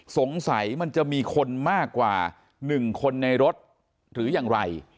สงสัยมันจะมีคนมากกว่าหนึ่งคนในรถหรืออย่างไร